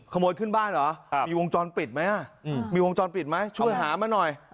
ขโมยขึ้นบ้านเหรอมีวงจรปิดไหมช่วยหามาหน่อย